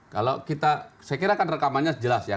kalau kita saya kira kan rekamannya jelas ya